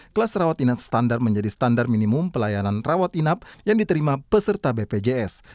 kelas rawat inap standar menjadi standar minimum pelayanan rawat inap yang diterima peserta bpjs